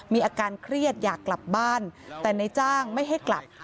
มีอาการเครียดอยากกลับบ้านแต่ในจ้างไม่ให้กลับ